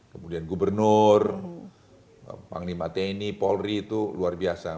kemudian gubernur panglima teni polri tuh luar biasa